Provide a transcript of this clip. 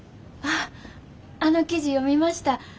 あっあの記事読みました。